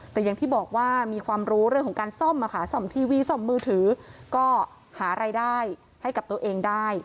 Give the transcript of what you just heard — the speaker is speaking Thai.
แต่อย่างที่บอกว่ามีความรู้เรื่องของการซ่อมทีวีซ่อมมือถือก็หารายได้ให้กับตัวเองได้